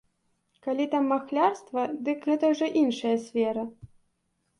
Калі там махлярства, дык гэта ўжо іншая сфера.